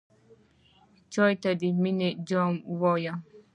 چای ته د مینې جام وایم.